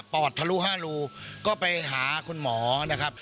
อดทะลุ๕รูก็ไปหาคุณหมอนะครับ